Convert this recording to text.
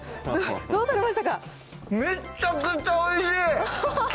どうされましたか。